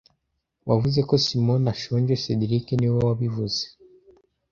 Wavuze ko Simoni ashonje cedric niwe wabivuze